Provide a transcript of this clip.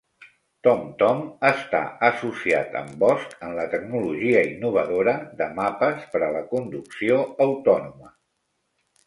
TomTom està associat amb Bosch en la tecnologia innovadora de mapes per a la conducció autònoma.